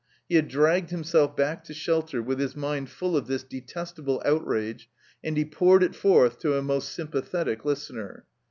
He had dragged himself back to shelter with his mind full of this detestable out rage, and he poured it forth to a most sympathetic listener.